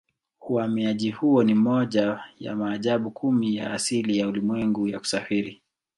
Uhamiaji huo ni moja ya maajabu kumi ya asili ya ulimwengu ya kusafiri.